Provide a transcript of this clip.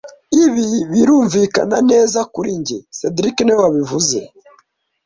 Ibi birumvikana neza kuri njye cedric niwe wabivuze